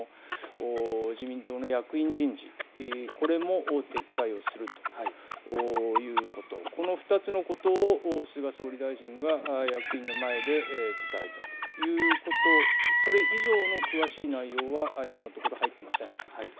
自民党の役員人事、これも撤回をするということ、この２つのことを菅総理大臣は役員の前で伝えたということ、それ以上の詳しい内容は今のところ入っていません。